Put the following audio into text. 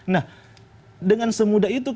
nah dengan semudah itu